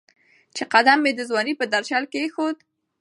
چې قدم مې د ځوانۍ په درشل کېښود